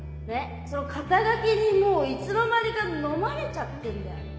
その肩書にもういつの間にかのまれちゃってんだよ。